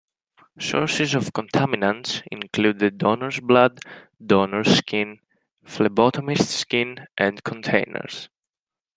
Sources of contaminants include the donor's blood, donor's skin, phlebotomist's skin, and containers.